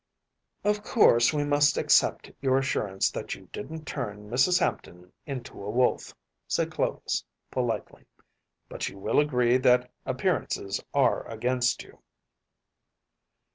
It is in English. “Of course we must accept your assurance that you didn’t turn Mrs. Hampton into a wolf,‚ÄĚ said Clovis politely, “but you will agree that appearances are against you.